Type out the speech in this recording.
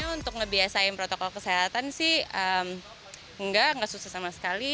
untuk ngebiasain protokol kesehatan sih enggak enggak susah sama sekali